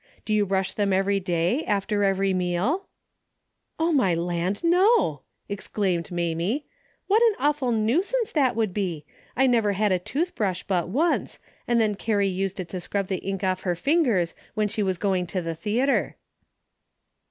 Do you brush them every day, after every meal ?"" My land, no !" exclaimed Mamie. " What an awful nuisance that would be ! I never had a tooth brush but once, and then Carrie used it to scrub the ink off her fingers when she was going to the theatre."